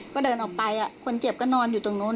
ก็เดินออกไปคนเจ็บก็นอนอยู่ตรงนู้น